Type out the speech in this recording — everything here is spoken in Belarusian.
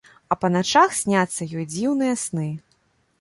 А па начах сняцца ёй дзіўныя сны.